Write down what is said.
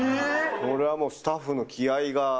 これはもうスタッフの気合が。